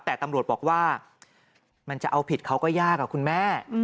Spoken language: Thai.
แต่ตำรวจบอกว่ามันจะเอาผิดเขาก็ยากอะคุณแม่